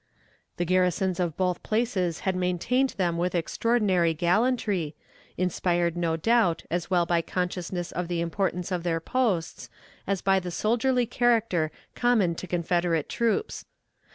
The garrisons of both places had maintained them with extraordinary gallantry, inspired no doubt as well by consciousness of the importance of their posts as by the soldierly character common to Confederate troops.